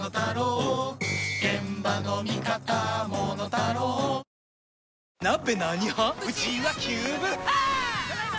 ただいま！